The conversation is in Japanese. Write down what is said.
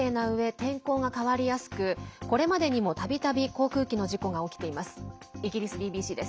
天候が変わりやすくこれまでにも、たびたび航空機の事故が起きています。